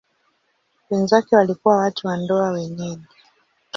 Wenzake walikuwa watu wa ndoa wenyeji.